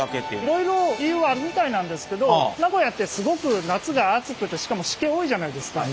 いろいろ理由はあるみたいなんですけど名古屋ってすごく夏が暑くてしかも湿気多いじゃないですか。